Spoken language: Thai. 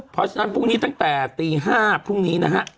เพราะฉะนั้นตั้งแต่ตี๕พรุ่งนี้